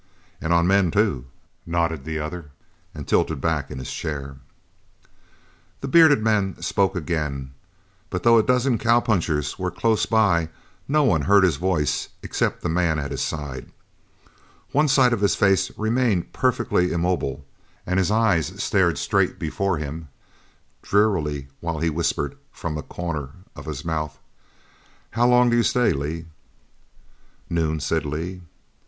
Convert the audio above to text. "And on men, too," nodded the other, and tilted back in his chair. The bearded man spoke again, but though a dozen cowpunchers were close by no one heard his voice except the man at his side. One side of his face remained perfectly immobile and his eyes stared straight before him drearily while he whispered from a corner of his mouth: "How long do you stay, Lee?" "Noon," said Lee.